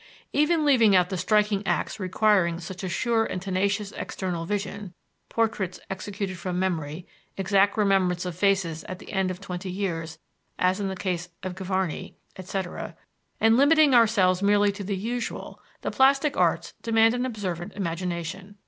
Even leaving out the striking acts requiring such a sure and tenacious external vision (portraits executed from memory, exact remembrance of faces at the end of twenty years, as in the case of Gavarni, etc.), and limiting ourselves merely to the usual, the plastic arts demand an observant imagination.